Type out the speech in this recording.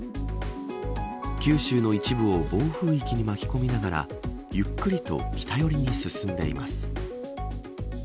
九州の一部を暴風域に巻き込みながらゆっくりと北寄りに進んでいます。